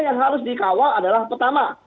yang harus dikawal adalah pertama